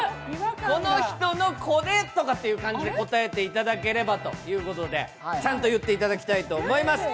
この人のこれという感じで答えていただければということでちゃんと言っていただきたいと思います。